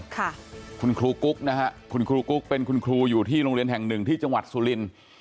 ค่ะคุณครูกุ๊กนะฮะคุณครูกุ๊กเป็นคุณครูอยู่ที่โรงเรียนแห่งหนึ่งที่จังหวัดสุรินทร์